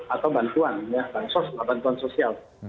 atau bantuan bantuan sosial